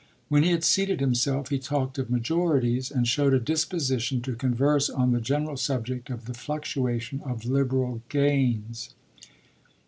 When he had seated himself he talked of "majorities" and showed a disposition to converse on the general subject of the fluctuation of Liberal gains.